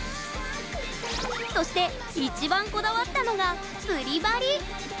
そして、一番こだわったのが釣り針！